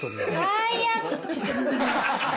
最悪！